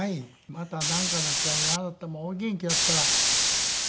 またなんかの機会にあなたもお元気だったらどこか行って。